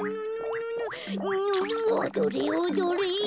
おどれおどれ！